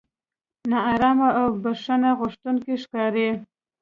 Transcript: نا ارامه او بښنه غوښتونکي ښکاري.